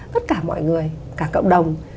tất cả mọi người cả cộng đồng